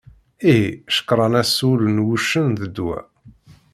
Ihi, cekkṛen-as ul n wuccen d ddwa.